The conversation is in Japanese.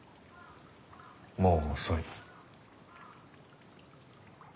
もう遅い。